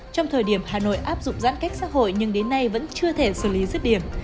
trong thời điểm hà nội áp dụng giãn cách xã hội nhưng đến nay vẫn chưa thể xử lý rứt điểm